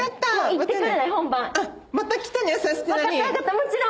もちろん。